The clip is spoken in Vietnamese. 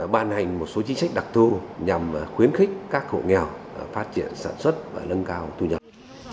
ban hành một số chính sách đặc thu nhằm khuyến khích các hộ nghèo phát triển sản xuất và lân cao thu nhập